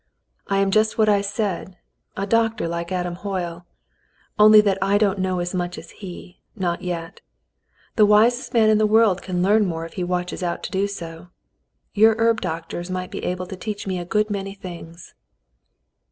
"I am just what I said, a doctor like Adam Hoyle, only that I don't know as much as he — not yet. The wisest man in the world can learn more if he watches out to do so. Your herb doctors might be able to teach me a good many things."